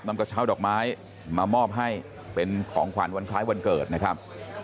กระเช้าดอกไม้มามอบให้เป็นของขวัญวันคล้ายวันเกิดนะครับ